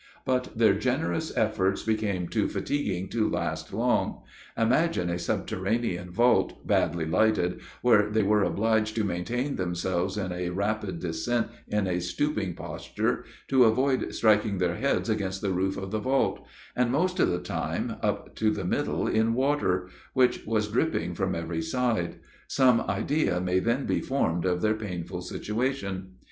But their generous efforts became too fatiguing to last long. Imagine a subterranean vault, badly lighted, where they were obliged to maintain themselves in a rapid descent in a stooping posture, to avoid striking their heads against the roof of the vault, and, most of the time, up to the middle in the water, which was dripping from every side; some idea may then be formed of their painful situation.